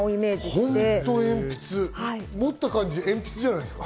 持った感じ、鉛筆じゃないですか。